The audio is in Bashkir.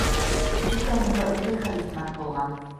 Бөтәһен дә үҙе хәл итмәк булған.